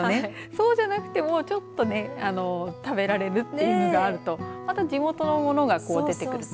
そうじゃなくても、ちょっと食べられるっていうのがあるとまた地元のものが出てくると。